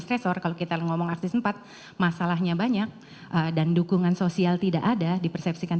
stresor kalau kita ngomong arti sempat masalahnya banyak dan dukungan sosial tidak ada dipersepsikan